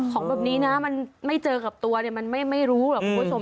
ของแบบนี้อะมันไม่เจอกับตัวเนี่ยมันไม่รู้คุ้มค์สม